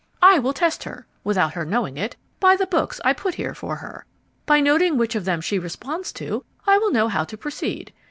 I will test her (without her knowing it) by the books I put here for her. By noting which of them she responds to, I will know how to proceed.